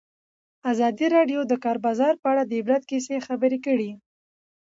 ازادي راډیو د د کار بازار په اړه د عبرت کیسې خبر کړي.